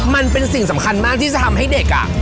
มันเป็นสิ่งสำคัญมากที่จะทำให้เด็กอ่ะ